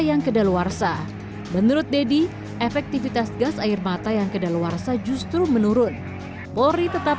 yang kedaluarsa menurut deddy efektivitas gas air mata yang kedaluarsa justru menurun polri tetap